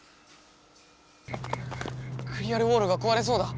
クリアルウォールがこわれそうだ。